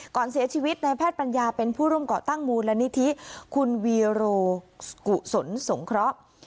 ก่อนเสียชีวิตในแพทย์ปัญญาเป็นผู้ร่วมก่อตั้งมูลนิธิคุณวีโรกุศลสงเคราะห์